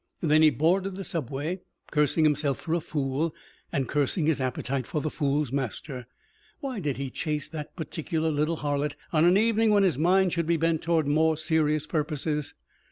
Then he boarded the subway, cursing himself for a fool and cursing his appetite for the fool's master. Why did he chase that particular little harlot on an evening when his mind should be bent toward more serious purposes?